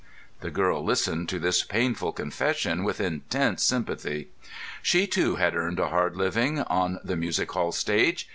The girl listened to this painful confession with intense sympathy. She too had earned a hard living on the music hall stage.